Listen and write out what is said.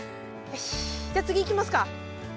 よしじゃあ次行きますか。